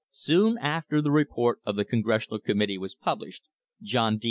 Soon after the report of the Congressional Committee was published John D.